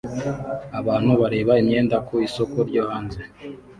Abantu bareba imyenda ku isoko ryo hanze